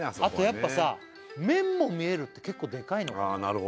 あとやっぱさ麺も見えるって結構でかいのかな